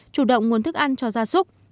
chủ động nguồn thức ăn cho gia súc